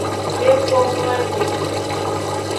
De kpo mloanyi o.